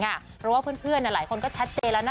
เพราะว่าเพื่อนหลายคนก็ชัดเจนแล้วนะ